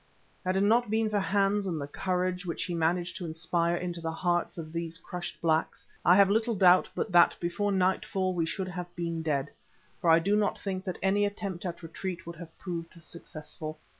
Had it not been for Hans and the courage which he managed to inspire into the hearts of these crushed blacks, I have little doubt but that before nightfall we should have been dead, for I do not think that any attempt at retreat would have proved successful.